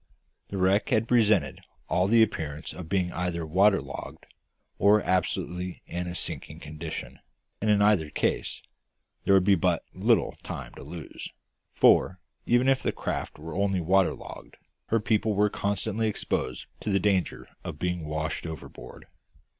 The wreck had presented all the appearance of being either waterlogged, or absolutely in a sinking condition; and in either case there would be but little time to lose; for, even if the craft were only waterlogged, her people were constantly exposed to the danger of being washed overboard.